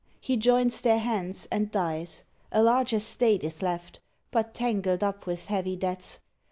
He joins their hands and dies; a large estate He left, but tangled up with heavy debts.